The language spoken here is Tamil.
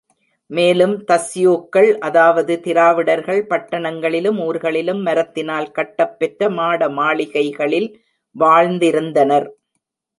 மேலும் தஸ்யூக்கள் அதாவது திராவிடர்கள் பட்டணங்களிலும் ஊர்களிலும் மரத்தினால் கட்டப்பெற்ற மாடமாளிகைகளில் வாழ்ந்திருந்தனர்.